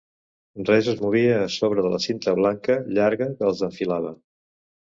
Res es movia a sobre de la cinta blanca llarga que els enfilava.